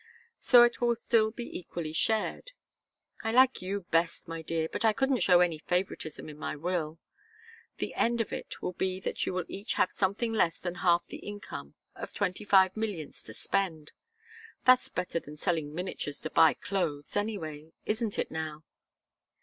So it will still be equally shared. I like you best, my dear, but I couldn't show any favouritism in my will. The end of it will be that you will each have something less than half the income of twenty five millions to spend. That's better than selling miniatures to buy clothes, anyway. Isn't it, now?"